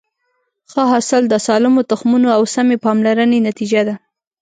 ښه حاصل د سالمو تخمونو او سمې پاملرنې نتیجه ده.